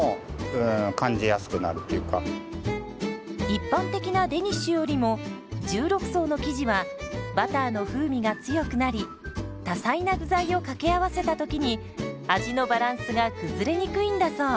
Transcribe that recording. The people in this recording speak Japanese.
一般的なデニッシュよりも１６層の生地はバターの風味が強くなり多彩な具材を掛け合わせた時に味のバランスが崩れにくいんだそう。